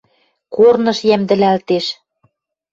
Корныш йӓмдӹлӓлтеш.